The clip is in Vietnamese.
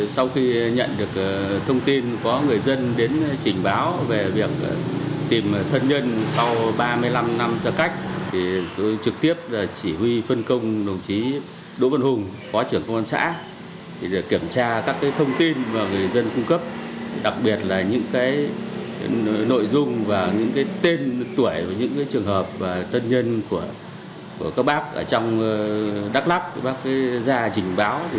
sau khi nhận được thông tin có người dân đến trình báo về việc tìm thân nhân sau ba mươi năm năm xa cách tôi trực tiếp chỉ huy phân công đồng chí đỗ văn hùng phó trưởng công an xã để kiểm tra các thông tin mà người dân cung cấp đặc biệt là những nội dung và những tên tuổi và những trường hợp thân nhân của các bác ở trong đắk lắk các bác ra trình báo